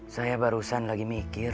saya barusan lagi mikir